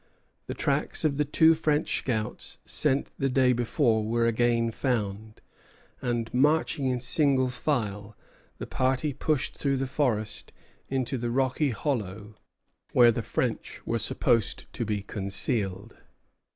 The tracks of the two French scouts seen the day before were again found, and, marching in single file, the party pushed through the forest into the rocky hollow where the French were supposed to be concealed.